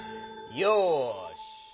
よし！